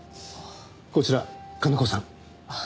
こちら金子さん。